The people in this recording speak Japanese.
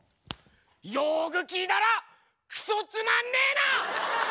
よく聞いたらクソつまんねえな！